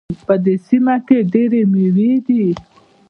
په دې سیمه کې ډېري میوې دي